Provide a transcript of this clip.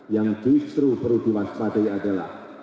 yang justru perlu diwaspadai adalah